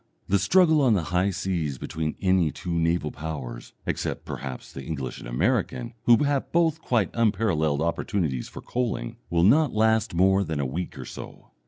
The struggle on the high seas between any two naval powers (except, perhaps, the English and American, who have both quite unparalleled opportunities for coaling) will not last more than a week or so.